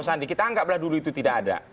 sandi kita anggap lah dulu itu tidak ada